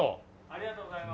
ありがとうございます。